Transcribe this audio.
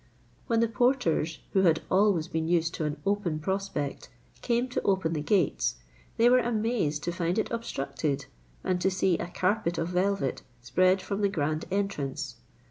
When the porters, who had always been used to an open prospect, came to open the gates, they were amazed to find it obstructed, and to see a carpet of velvet spread from the grand entrance.